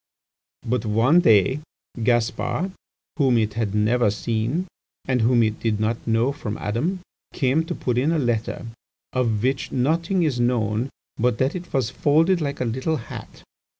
"But one day, Gaspar, whom it had never seen, and whom it did not know from Adam, came to put in a letter, of which nothing is known but that it was folded like a little hat.